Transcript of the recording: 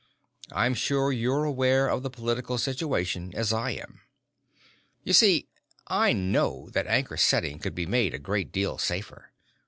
I'm sure you're as aware of the political situation as I am. You see, I know that anchor setting could be made a great deal safer.